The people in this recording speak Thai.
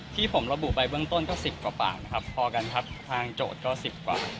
ที่ผมระบุไปเบื้องต้นก็สิบกว่าปากนะครับพอกันครับทางโจทย์ก็สิบกว่า